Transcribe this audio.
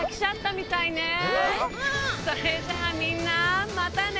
それじゃあみんなまたね！